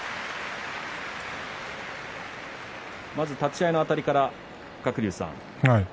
まず立ち合いのあたりから鶴竜さん。